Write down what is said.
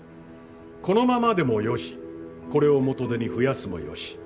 このままでもよしこれを元手に増やすもよし。